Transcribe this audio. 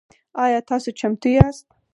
آیا تاسو چمتو یاست؟